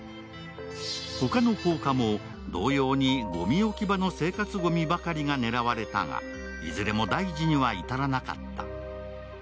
他の放火も同様にごみ置き場の生活ごみばかりが狙われたがいずれも大事には至らなかった。